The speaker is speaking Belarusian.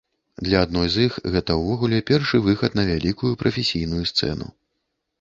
Для адной з іх гэта ўвогуле першы выхад на вялікую прафесійную сцэну.